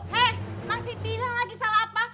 hei masih bilang lagi salah apa